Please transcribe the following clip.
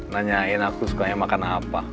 nanyain aku sukanya makan apa